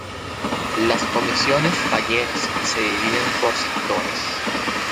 Las comisiones falleras se dividen por sectores.